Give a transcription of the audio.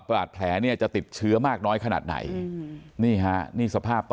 บาดแผลเนี่ยจะติดเชื้อมากน้อยขนาดไหนนี่ฮะนี่สภาพ